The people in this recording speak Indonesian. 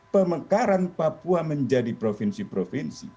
pemekaran papua menjadi provinsi provinsi